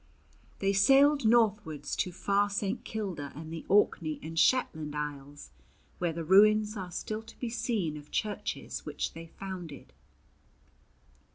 They sailed northwards to far St. Kilda and the Orkney and Shetland Isles, where the ruins are still to be seen of churches which they founded.